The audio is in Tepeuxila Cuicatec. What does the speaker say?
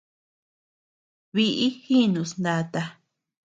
Biʼi jínus nata.